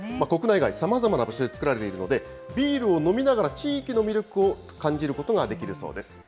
国内外さまざまな場所で造られているので、ビールを飲みながら地域の魅力を感じることができるそうです。